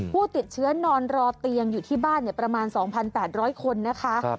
ผู้ติดเชื้อนอนรอเตียงอยู่ที่บ้านประมาณ๒๘๐๐คนนะคะ